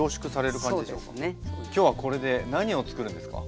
今日はこれで何を作るんですか？